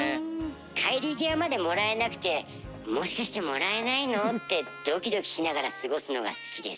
帰り際までもらえなくて「もしかしてもらえないの？」ってドキドキしながら過ごすのが好きです。